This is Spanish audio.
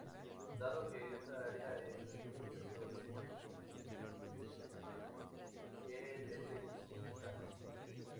Dado que esta área es reciente, todavía hay muchas investigaciones que deben completarse.